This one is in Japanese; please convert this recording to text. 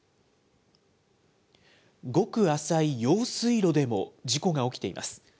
ごく浅い用水路でも事故が起きています。